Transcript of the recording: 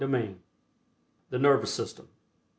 THE NERVOUS SYSTEM.